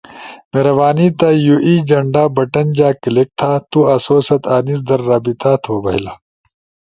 مہربانی تھا یو ای جھنڈا بٹن جا کلک تھا۔ تو آسو ست انیس در رابطہ تھو بئیلا۔۔